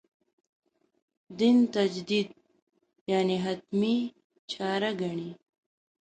دین تجدید «حتمي» چاره ګڼي.